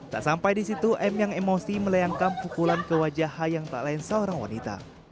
tak sampai di situ m yang emosi melayangkan pukulan ke wajah h yang tak lain seorang wanita